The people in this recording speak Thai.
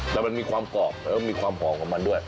แต่มันมีความกรอบแล้วก็มีความหอมของมันด้วย